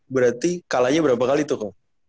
berarti kalahnya berapa kali tuh kok